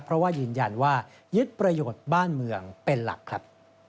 เพราะว่ายืนยันว่ายึดประโยชน์บ้านเมืองเป็นหลักครับ